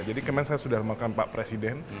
jadi kemarin saya sudah mengamalkan pak presiden